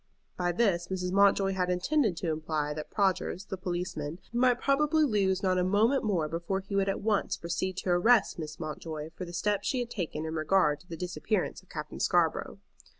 By this Mrs. Mountjoy had intended to imply that Prodgers, the policeman, might probably lose not a moment more before he would at once proceed to arrest Miss Mountjoy for the steps she had taken in regard to the disappearance of Captain Scarborough.